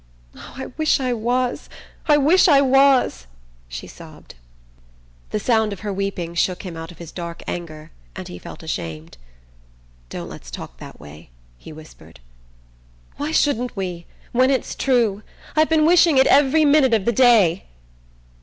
"Oh, I wish I was, I wish I was!" she sobbed. The sound of her weeping shook him out of his dark anger, and he felt ashamed. "Don't let's talk that way," he whispered. "Why shouldn't we, when it's true? I've been wishing it every minute of the day."